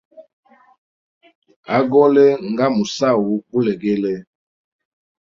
Agole nga musahu gulegele.